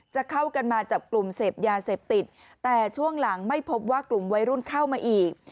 จะเข้ากันมาจับกลุ่มเสพยาเสพติดแต่ช่วงหลังไม่พบว่ากลุ่มวัยรุ่นเข้ามาอีก